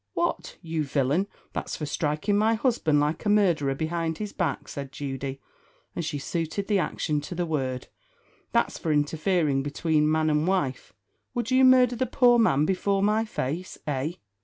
"What, you villain! that's for striking my husband like a murderer behind his back," said Judy, and she suited the action to the word, "that's for interfering between man and wife. Would you murder the poor man before my face? eh?